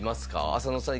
浅野さん